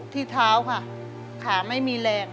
ที่เท้าค่ะขาไม่มีแรง